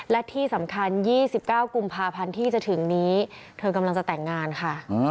และที่สำคัญ๒๙กุมภาพันธ์ที่จะถึงนี้เธอกำลังจะแต่งงานค่ะ